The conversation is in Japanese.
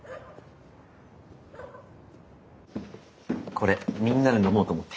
これみんなで飲もうと思って。